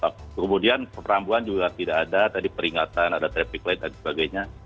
kemudian perambuan juga tidak ada tadi peringatan ada traffic light dan sebagainya